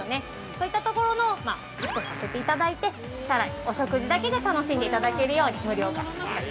そういったところのカットさせていただいてさらにお食事だけで楽しんでいただけるように無料化しました。